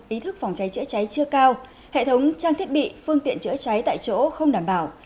ý thức phòng cháy chữa cháy chưa cao hệ thống trang thiết bị phương tiện chữa cháy tại chỗ không đảm bảo